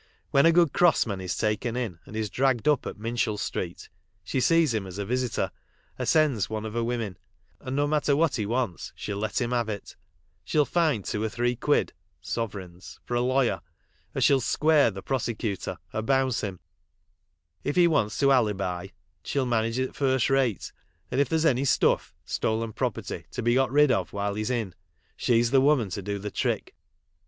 When a good cross man is taken in, and is dragged up at Minshull street, she sees him as a visitor, or sends one of her women, and no matter what he wants she'll let him have it. She'll ^ ni two or three <* uid (sovereigns) for a lawyer, or she 11 « square" the prosecutor or bounce him. If he wants to alibi she'll manage it first rate, and if there's any stuff (stolen property) to be got rid of while he's m, she s the woman to do the trick.